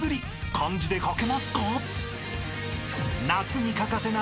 ［漢字で書けますか？］